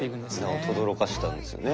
名をとどろかしたんですよね。